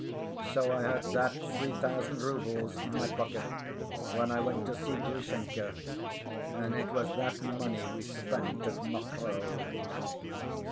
So I had that three thousand roubles in my pocket when I went to see Grushenka, and it was that money we spent at Mokroe.